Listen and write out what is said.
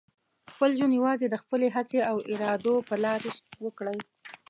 خپل ژوند یوازې د خپلې هڅې او ارادو په لاره وکړئ.